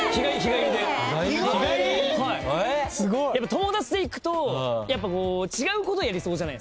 友達と行くと違うことやりそうじゃないですか。